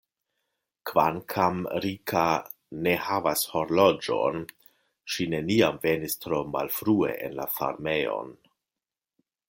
Kvankam Rika ne havas horloĝon, ŝi neniam venis tro malfrue en la farmejon.